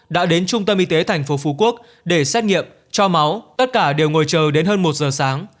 đã đến trung tâm y tế thành phố phú quốc để xét nghiệm cho máu tất cả đều ngồi chờ đến hơn một giờ sáng